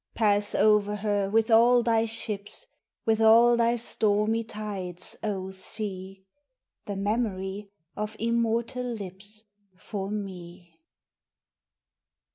Pass over her with all thy ships With all thy stormy tides, O sea! The memory of immortal lips For me!